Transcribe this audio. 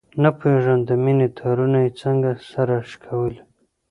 نه پوهېږم د مینې تارونه یې څنګه سره شکولي.